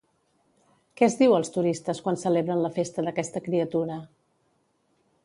Què es diu als turistes quan celebren la festa d'aquesta criatura?